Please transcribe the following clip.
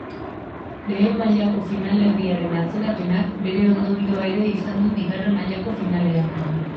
Lehen mailako finalerdiaren atzerapenak bere ondorioa ere izan du bigarren mailako finalean.